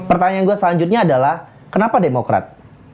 pertanyaan gue selanjutnya adalah kenapa demokrat